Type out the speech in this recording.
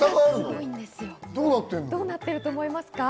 どうなっていると思いますか？